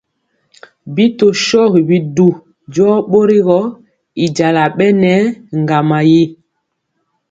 Bi tɔ shogi bidu jɔɔ bori gɔ, y jala bɛ nɛ ŋgama ri.